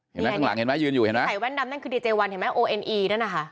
เห็นไหมข้างหลังเห็นไหมยืนอยู่เห็นไหมใส่แว่นดำนั่นคือดีเจวันเห็นไหมโอเอ็นอีนั่นนะคะ